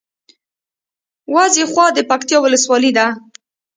وازېخواه د پکتیکا ولسوالي ده